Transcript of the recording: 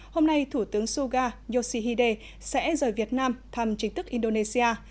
hôm nay thủ tướng suga yoshihide sẽ rời việt nam thăm chính thức indonesia